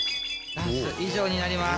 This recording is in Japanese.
ダンス以上になります。